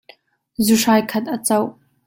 Zu hrai khat a cauh.